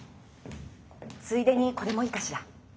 ついでにこれもいいかしら？